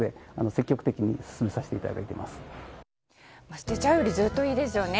捨てちゃうよりずっといいですよね。